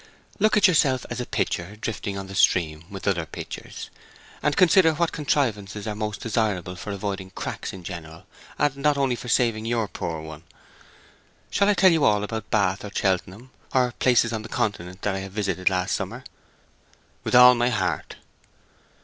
"Look at yourself as a pitcher drifting on the stream with other pitchers, and consider what contrivances are most desirable for avoiding cracks in general, and not only for saving your poor one. Shall I tell you all about Bath or Cheltenham, or places on the Continent that I visited last summer?" "With all my heart."